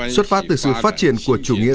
xuất phát từ sự phát triển của chủ nghĩa